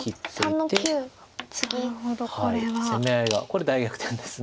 これ大逆転です。